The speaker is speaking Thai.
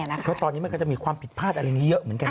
เพราะตอนนี้มันก็จะมีความผิดพลาดอะไรนี้เยอะเหมือนกัน